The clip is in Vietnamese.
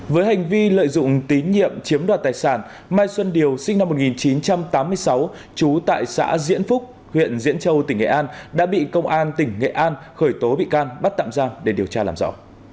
với hành vi lợi dụng tín nhiệm chiếm đoạt tài sản mai xuân điều sinh năm một nghìn chín trăm tám mươi sáu trú tại xã diễn phúc huyện diễn châu tỉnh nghệ an đã bị công an tỉnh nghệ an khởi tố bị can bắt tạm giam để điều tra làm rõ